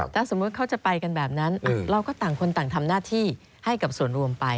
ถ้าสมมุติเขาจะไปกันแบบนั้นเราก็ต่างคนต่างทำหน้าที่ให้กับส่วนรวมไป